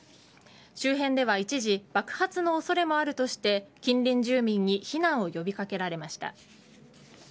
周辺では一時爆発の恐れもあるとして近隣住民に避難を呼び掛けられました。